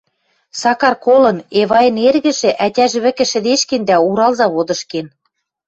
Сакар колын: Эвайын эргӹжӹ ӓтяжӹ вӹкӹ шӹдешкен дӓ Урал заводыш кен.